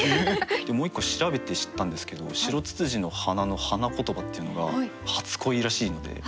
もう一個調べて知ったんですけど白躑躅の花の花言葉っていうのが「初恋」らしいので。